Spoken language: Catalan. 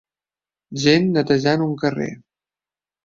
Gent netejant un carrer.